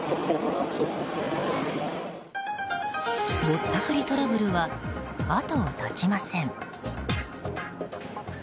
ぼったくりトラブルは後を絶ちません。